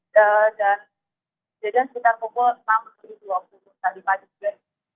dan kejadian sekitar pukul enam dua puluh tadi pagi juga